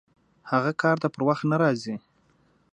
هغه کار ته پر وخت نه راځي!